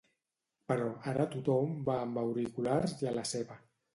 Però ara tothom va amb auriculars i a la seva